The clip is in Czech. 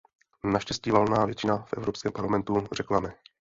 Naštěstí valná většina v Evropském parlamentu řekla ne.